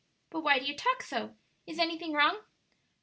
But why do you talk so? is anything wrong?"